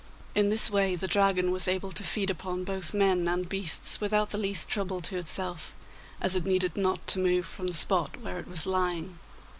In this way the Dragon was able to feed upon both men and beasts without the least trouble to itself, as it needed not to move from the spot where it was lying.